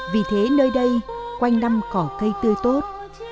vì thế nơi đây quanh năm cỏ cây tươi tốt